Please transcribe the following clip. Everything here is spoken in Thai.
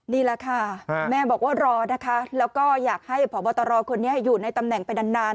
นี่แหละค่ะแม่บอกว่ารอนะคะแล้วก็อยากให้พบตรคนนี้อยู่ในตำแหน่งไปนาน